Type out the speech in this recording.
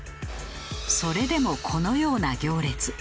それでもこのような行列。